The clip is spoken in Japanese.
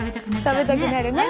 食べたくなるね。